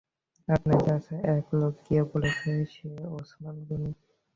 আপনার কাছে এক লোক গিয়ে বলেছে, সে ওসমান গনি।